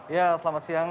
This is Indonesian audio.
ya selamat siang